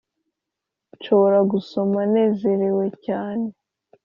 nshobora gusoma nezerewe cyane